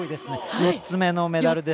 ４つ目のメダル。